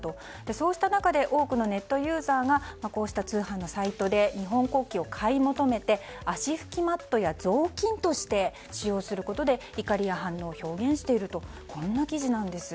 そうした中で多くのネットユーザーがこうした通販のサイトで日本国旗を買い求めて足拭きマットや雑巾として使用することで怒りを表現しているとこんな記事なんです。